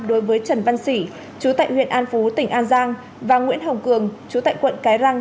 đối với trần văn sỉ trú tại huyện an phú tỉnh an giang và nguyễn hồng cường trú tại quận cái răng